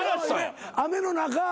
雨の中。